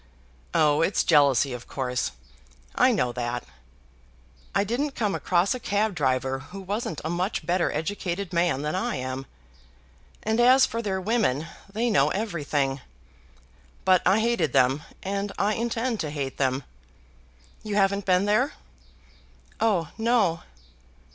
"Oh; it's jealousy of course. I know that. I didn't come across a cab driver who wasn't a much better educated man than I am. And as for their women, they know everything. But I hated them, and I intend to hate them. You haven't been there?" "Oh no."